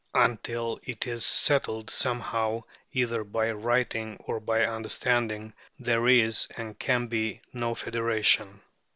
Until it is settled somehow, either by writing or by understanding, there is, and can be, no federation.